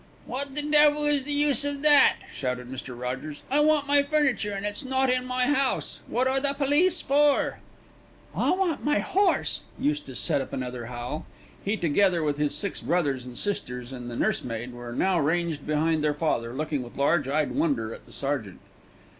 "What the devil is the use of that?" shouted Mr. Rogers. "I want my furniture, and it's not in my house. What are the police for?" "I want my horse!" Eustace set up another howl. He, together with his six brothers and sisters and the nursemaid, were now ranged behind their father, looking with large eyed wonder at the sergeant.